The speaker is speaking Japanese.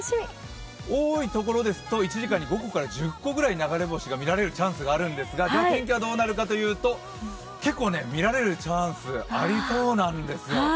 多いところですと１時間に５個から１０個ぐらい流れ星を見られるチャンスがあるんですが、じゃあ、天気はどうなるかというと結構、見られるチャンス、ありそうなんですよ。